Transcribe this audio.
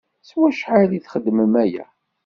S wacḥal i txeddmem aya?